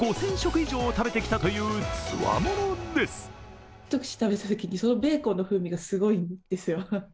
一口食べたときに、ベーコンの風味がすごいんですよ。